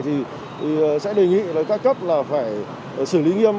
thì sẽ đề nghị với các cấp là phải xử lý nghiêm